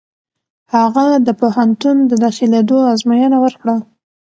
هغه د پوهنتون د داخلېدو ازموینه ورکړه.